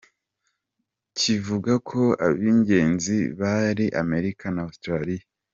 Kivuga ko ab'ingenzi bari Amerika na Australia.